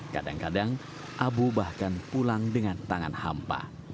kadang kadang abu bahkan pulang dengan tangan hampa